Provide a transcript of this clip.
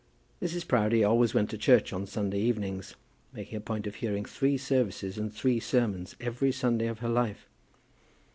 Mrs. Proudie always went to church on Sunday evenings, making a point of hearing three services and three sermons every Sunday of her life.